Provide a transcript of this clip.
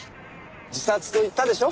自殺と言ったでしょ。